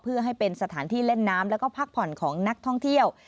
เพื่อให้เป็นสถานที่เล่นน้ำแล้วก็พักผ่อนของนักท่องเที่ยว